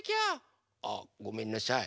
あごめんなさい。